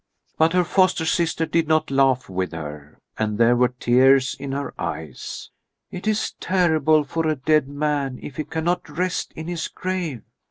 But her foster sister did not laugh with her, and there were tears in her eyes. "It is terrible for a dead man if he cannot rest in his grave.